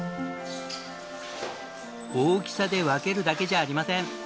大きさで分けるだけじゃありません。